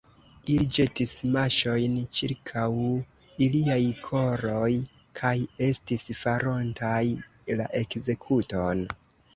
Ili ĵetis maŝojn ĉirkaŭ iliaj koloj kaj estis farontaj la ekzekuton.